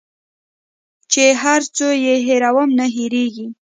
چي هر څو یې هېرومه نه هیریږي